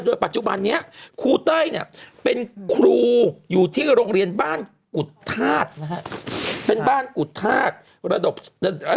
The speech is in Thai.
โดยปัจจุบันนี้ครูเต้ยเป็นครูอยู่ที่โรงเรียนบ้านกุฏธาติ